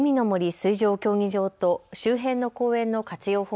森水上競技場と周辺の公園の活用